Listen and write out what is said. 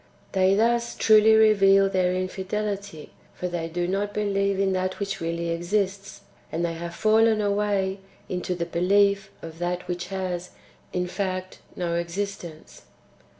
They thus truly reveal their infidelity ; they do not believe in that which really exists, and they have fallen away into [the belief of] that which has, in fact, no exist ence.